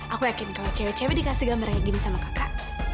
aku yakin kalau cewek cewek dikasih gambar kayak gini sama kakak